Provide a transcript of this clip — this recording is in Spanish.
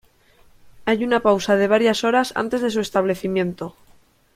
Hay una pausa de varias horas antes de su establecimiento.